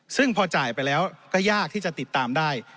ซึ่งพอจ่ายไปแล้วก็ยากที่จะติดตามได้